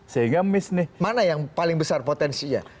sehingga miss nih mana yang paling besar potensinya